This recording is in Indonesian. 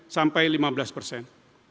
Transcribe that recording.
sampai lima belas persen